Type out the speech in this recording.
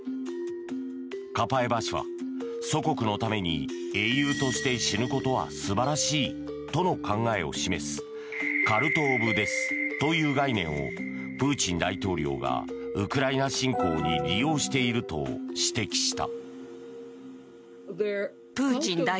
カパエバ氏は、祖国のために英雄として死ぬことは素晴らしいとの考えを示すカルト・オブ・デスという概念をプーチン大統領がウクライナ侵攻に利用していると指摘した。